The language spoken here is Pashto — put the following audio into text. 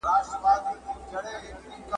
په اذان به یې وګړي روژه نه سي ماتولای ,